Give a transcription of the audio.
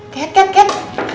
kat kat kat